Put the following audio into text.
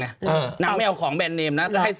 อุ้ยอย่าเป็นไม่ใช่